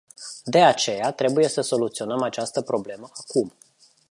De aceea, trebuie să soluționăm această problemă acum.